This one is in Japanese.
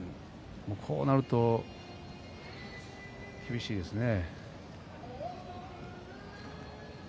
こうなると厳しいですね